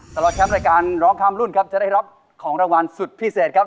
แชมป์รายการร้องข้ามรุ่นครับจะได้รับของรางวัลสุดพิเศษครับ